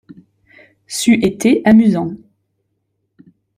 C’eût été amusant.